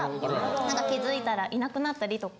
何か気付いたらいなくなったりとか。